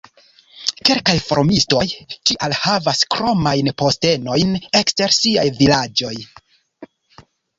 Kelkaj farmistoj tial havas kromajn postenojn ekster siaj vilaĝoj.